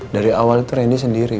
dari awal itu randy sendiri